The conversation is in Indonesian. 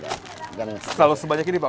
kalau belanja sebanyak ini pak